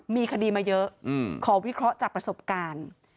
มีคดีมาเยอะขอวิเคราะห์จากประสบการณ์